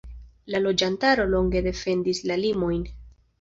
La loĝantaro longe defendis la limojn.